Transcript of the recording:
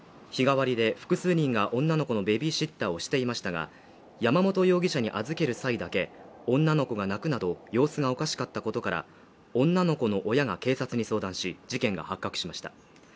日替わりで複数人が女の子のベビーシッターをしていましたが、山本容疑者に預ける際だけ女の子が泣くなど、様子がおかしかったことから、女の子の親が警察に相談し事件が発覚しました。